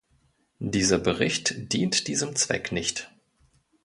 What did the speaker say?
Dieser Bericht dient diesem Zweck nicht.